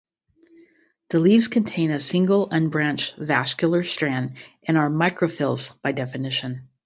The leaves contain a single, unbranched vascular strand and are microphylls by definition.